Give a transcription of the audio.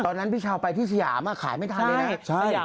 ตอนนั้นพี่ชาวไปที่สยามอ่ะขายไม่ทันเลยนะ